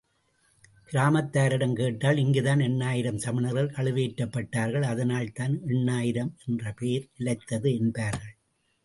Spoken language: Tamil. கிராமத்தாரிடம் கேட்டால் இங்குதான் எண்ணாயிரம் சமணர்கள் கழுவேற்றப்பட்டார்கள் அதனால்தான் எண்ணாயிரம் என்ற பேர் நிலைத்தது என்பார்கள்.